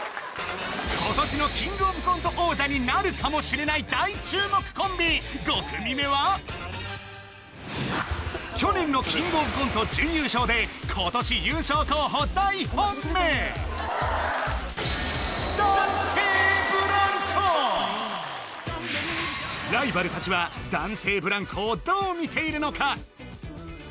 今年のキングオブコント王者になるかもしれない大注目コンビ４組目は去年のキングオブコント準優勝で今年優勝候補大本命ライバル達は男性ブランコをどう見ているのか？